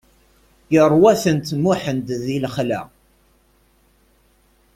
Yerwa-tent Muḥend di lexla.